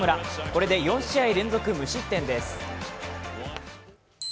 これで４試合連続無失点です。